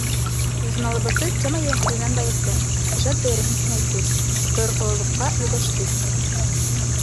Журналыбыҙҙы тема йәһәтенән байыттыҡ, ижад даирәһен киңәйттек, тотороҡлолоҡҡа өлгәштек.